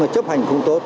chấp hành không tốt